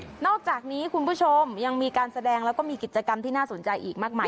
นอกจากนี้คุณผู้ชมยังมีการแสดงแล้วก็มีกิจกรรมที่น่าสนใจอีกมากมาย